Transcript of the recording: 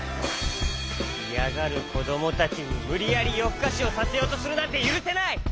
いやがるこどもたちにむりやりよふかしをさせようとするなんてゆるせない！